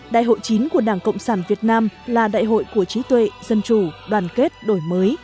đại hội chín của đảng cộng sản việt nam là đại hội của trí tuệ dân chủ đoàn kết đổi mới